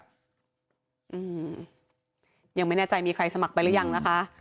อืมยังไม่แน่ใจมีใครสมัครไปหรือยังนะคะ